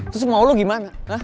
terus mau lo gimana